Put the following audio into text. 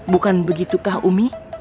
bukan begitu kah umi